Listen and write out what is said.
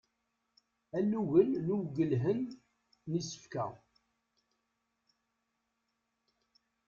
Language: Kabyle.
Alugen n uwgelhen n isefka.